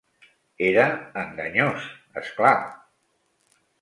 Era enganyós, és clar.